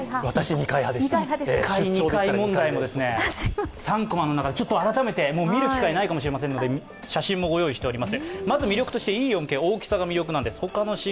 １階２階問題も３コマの中で、改めて見る機会ないかもしれませんので、写真もご用意しています。